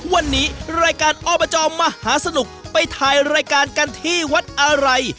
วันนี้รายการอบจมหาสนุกไปถ่ายรายการกันที่วัดอะไร